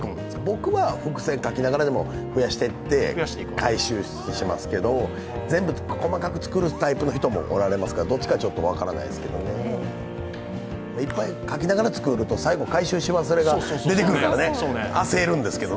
僕は伏線書きながらでも増やしていって回収しますけど、全部細かく作るタイプの人もおられますからどっちかちょっと分からないですけれども書きながら作ると、最後に回収し忘れが出てきて焦るんですけど。